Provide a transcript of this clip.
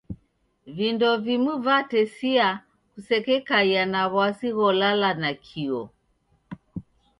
Vindo vimu vatesia kusekekaia na w'asi gholala nakio.